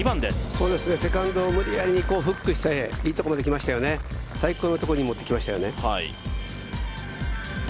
セカンドを無理やりフックしていいところまで来ましたよね、最高のところに持ってきましたよね。